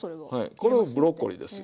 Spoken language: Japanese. これはブロッコリーですよ。